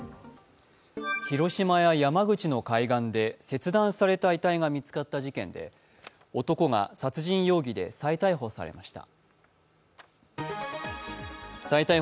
広島や山口の海岸で切断された遺体が見つかった事件で男が殺人容疑で再逮捕されました。